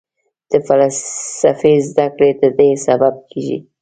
د فلسفې زده کړه ددې سبب کېږي.